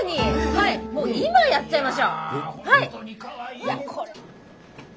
はいもう今やっちゃいましょう。